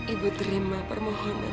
ibu terima permohonan